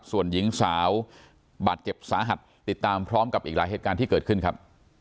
ส่วนหญิงสาวบาดเจ็บสาหัสติดตามพร้อมกับอีกหลายเหตุการณ์ที่เกิดขึ้นครับ